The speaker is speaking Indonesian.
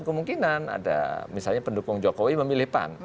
kemungkinan ada misalnya pendukung jokowi memilih pan